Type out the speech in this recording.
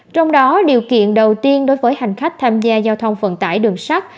trong đó điều kiện đầu tiên đối với hành khách tham gia giao thông vận tải đường sắt